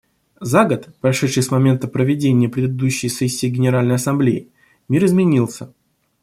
За год, прошедший с момента проведения предыдущей сессии Генеральной Ассамблеи, мир изменился.